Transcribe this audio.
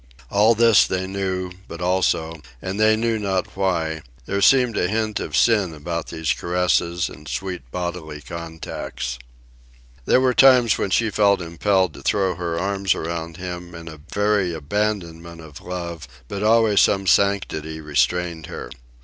All this they knew, but also, and they knew not why, there seemed a hint of sin about these caresses and sweet bodily contacts. There were times when she felt impelled to throw her arms around him in a very abandonment of love, but always some sanctity restrained her.